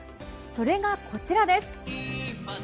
それがこちらです。